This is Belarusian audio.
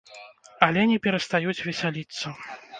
Але не перастаюць весяліцца.